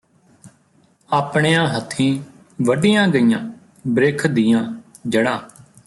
ਆਪਣਿਆਂ ਹੱਥੀਂ ਵੱਢੀਆਂ ਗਈਆਂ ਬ੍ਰਿਖ ਦੀਆਂ ਜੜ੍ਹਾਂ